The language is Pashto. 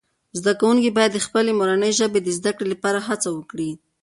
زده کوونکي باید د خپلې مورنۍ ژبې د زده کړې لپاره هڅه وکړي.